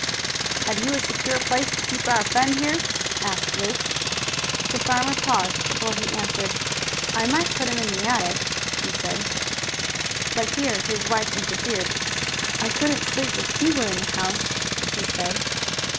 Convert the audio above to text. "Have you a secure place to keep our friend here?" asked Luke. The farmer paused before he answered. "I might put him in the attic," he said. But here his wife interfered. "I couldn't sleep if he were in the house," she said.